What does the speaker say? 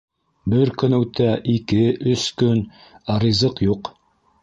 Бер көн үтә, ике, өс көн, ә ризыҡ юҡ.